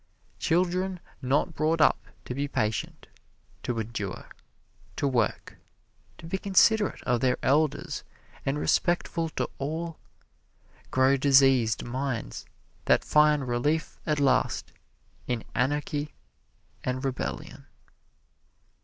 Children not brought up to be patient, to endure, to work, to be considerate of their elders and respectful to all, grow diseased minds that find relief at last in anarchy and rebellion.